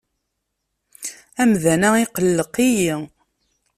Amdan-a iqelleq-iyi.